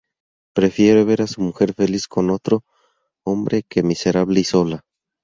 Prefiere ver a su mujer feliz con otro hombre que miserable y sola.